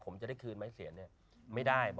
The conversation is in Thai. ผมจะได้คืนไหมเสียเนี่ยไม่ได้